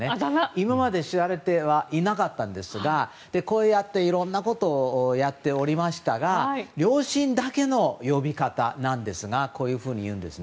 今まで知られていなかったんですがこうやっていろんなことをやっておりましたが両親だけの呼び方なんですがこういうふうに呼ぶんです。